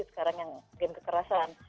sekarang yang game kekerasan